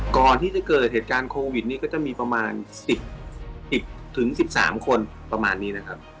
ก่อนที่จะเกิดเหตุการณ์โควิดนี้ก็จะมีประมาณ๑๐๑๓คนประมาณนี้นะครับ